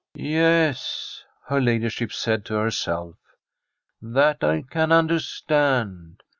* Yes,' her ladyship said to herself, * that I can understand.